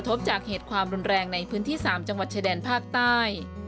บจากเหตุความรุนแรงในพื้นที่๓จังหวัดชายแดนภาคใต้